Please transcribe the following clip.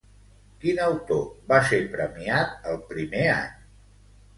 Quin autor va ser premiat el primer any?